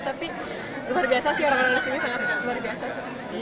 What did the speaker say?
tapi luar biasa sih orang orang ini